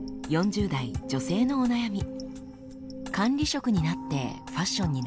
４０代女性のお悩み。